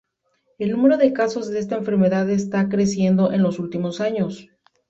El número de casos de esta enfermedad está creciendo en los últimos años.